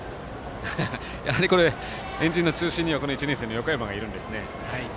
やはり円陣の中心には１年生の横山がいるんですね。